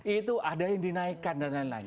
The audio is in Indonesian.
itu ada yang dinaikkan dan lain lain